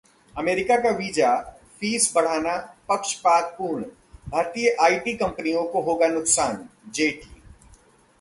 America का visa fees बढ़ाना पक्षपातपूर्ण, भारतीय आईटी कंपनियों को होगा नुकसान: जेटली